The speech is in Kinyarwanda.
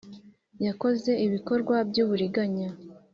Yakoze ibikorwa by uburiganya